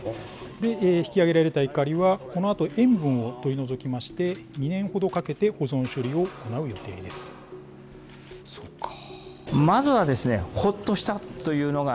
引き揚げられたいかりは、このあと、塩分を取り除きまして、２年ほどかけて保存処理を行う予定でそうか。